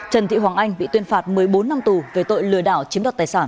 trần thị hoàng anh bị tuyên phạt một mươi bốn năm tù về tội lừa đảo chiếm đoạt tài sản